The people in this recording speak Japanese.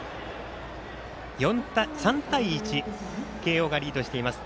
３対１、慶応がリードしています。